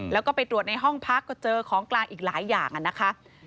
แล้วก็ไปตรวจในห้องพักก็เจอของกลางอีกหลายอย่างนะคะ